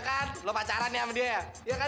kamu pacaran dengan dia ya